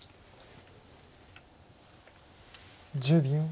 １０秒。